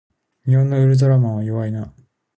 日本のウルトラマンは弱いな